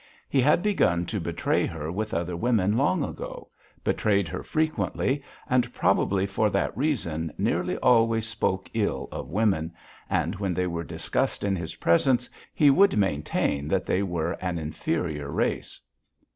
He had begun to betray her with other women long ago, betrayed her frequently, and, probably for that reason nearly always spoke ill of women, and when they were discussed in his presence he would maintain that they were an inferior race.